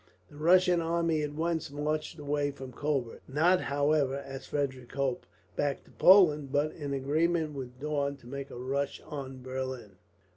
The Russian army at once marched away from Colbert; not however, as Frederick hoped, back to Poland but, in agreement with Daun, to make a rush on Berlin.